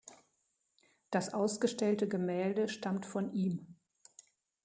Das ausgestellte Gemälde stammt von ihm.